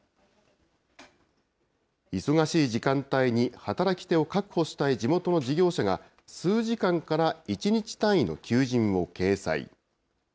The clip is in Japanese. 忙しい時間帯に働き手を確保したい地元の事業者が数時間から１日単位の求人を掲載。